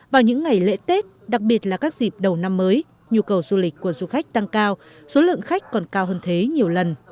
vào những ngày lễ tết đặc biệt là các dịp đầu năm mới nhu cầu du lịch của du khách tăng cao số lượng khách còn cao hơn thế nhiều lần